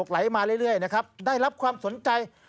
ไหลมาเรื่อยนะครับได้รับความสนใจ